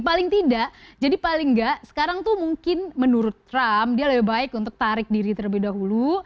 paling tidak jadi paling nggak sekarang tuh mungkin menurut trump dia lebih baik untuk tarik diri terlebih dahulu